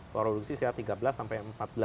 produksi sekitar tiga belas sampai empat belas